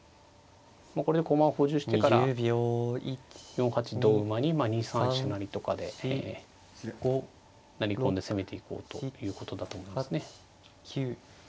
これで駒を補充してから４八同馬に２三飛車成とかで成り込んで攻めていこうということだと思いますね。